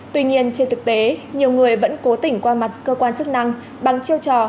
tuy nhiên trên thực tế nhiều người vẫn cố tỉnh qua mặt cơ quan chức năng bằng chiêu trò